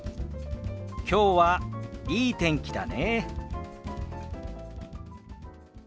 きょうはいい天気だね。